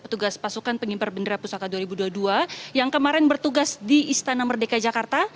petugas pasukan pengibar bendera pusaka dua ribu dua puluh dua yang kemarin bertugas di istana merdeka jakarta